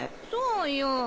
そうよ。